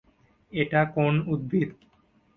এটা কোন উদ্ভিদ?